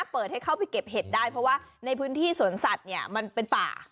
เปิดให้เข้าไปเก็บเห็ดได้เพราะว่าในพื้นที่สวนสัตว์เนี่ยมันเป็นป่า